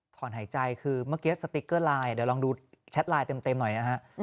ถอนหายใจคือเมื่อกี้สติ๊กเกอร์ไลน์เดี๋ยวลองดูแชทไลน์เต็มหน่อยนะฮะ